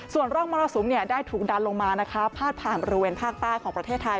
ส่วนร่องมรสุมได้ถูกดันลงมานะคะพาดผ่านบริเวณภาคใต้ของประเทศไทย